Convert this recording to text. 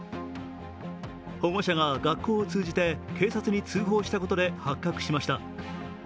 保護者が学校を通じて警察に通報したことで発覚しました。